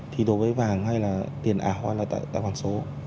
thì đối với vàng hay là tiền ảo hoặc là tài khoản số